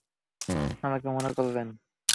আমাকে মনে করলেন?